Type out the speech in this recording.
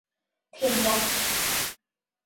เทียนยักษ์